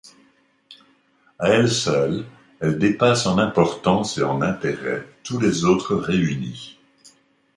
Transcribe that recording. À elle seule, elle dépasse en importance et en intérêt tous les autres réunis.